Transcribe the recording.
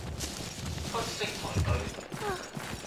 不識抬舉